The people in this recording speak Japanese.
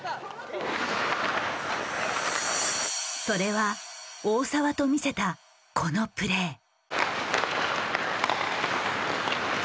それは大澤と見せたこのプレー。